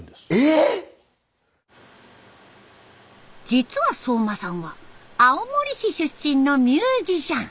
実は相馬さんは青森市出身のミュージシャン。